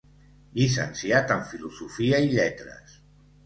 Llicenciat en Filosofia i Lletres.